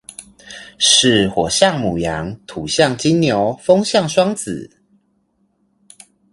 是火象牡羊土象金牛風象雙子